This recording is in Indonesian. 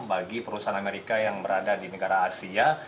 bagi perusahaan amerika yang berada di negara asia